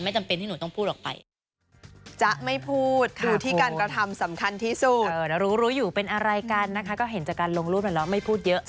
จำเป็นที่หนูต้องพูดออกไป